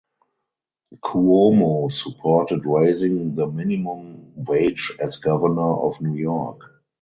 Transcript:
Cuomo supported raising the minimum wage as Governor of New York.